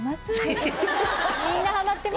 みんなハマってます。